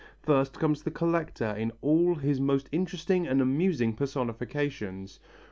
First comes the collector in all his most interesting and amusing personifications.